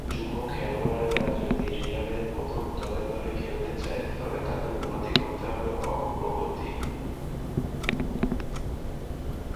যুব খেলোয়াড়রা যদি রিয়ালের প্রথম দল দলে খেলতে চায় তবে তাদের উন্নতি করতে হবে অগ্রগতি।